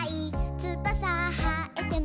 「つばさはえても」